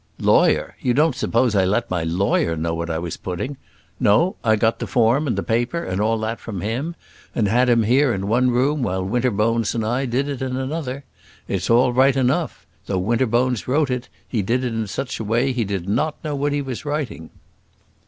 "Lawyer! You don't suppose I let my lawyer know what I was putting. No; I got the form and the paper, and all that from him, and had him here, in one room, while Winterbones and I did it in another. It's all right enough. Though Winterbones wrote it, he did it in such a way he did not know what he was writing."